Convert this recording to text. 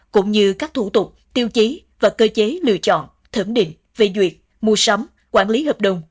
cũng như các thủ tục tiêu chí và cơ chế lựa chọn thẩm định về duyệt mua sắm quản lý hợp đồng